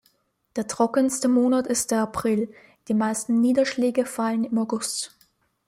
Der trockenste Monat ist der April, die meisten Niederschläge fallen im August.